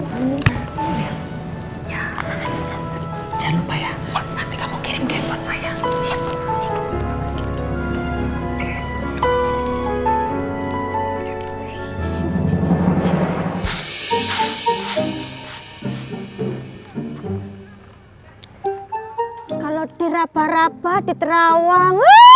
hai aku ini ini ya jangan lupa ya nanti kamu kirim kepon saya kalau diraba raba di terawang